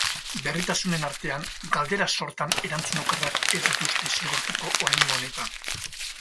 Berritasunen artean, galdera-sortan erantzun okerrak ez dituzte zigortuko oraingo honetan.